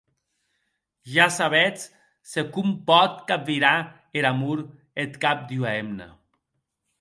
Ja sabetz se com pòt capvirar er amor eth cap d’ua hemna.